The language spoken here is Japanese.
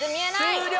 終了！